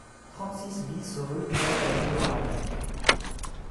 trente-six BIS rue du Bataillon de l'Armagnac